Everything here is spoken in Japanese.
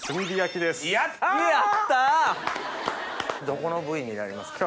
どこの部位になりますか？